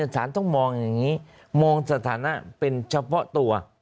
สารต้องมองอย่างนี้มองสถานะเป็นเฉพาะตัว